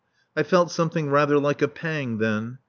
I felt something rather like a pang then.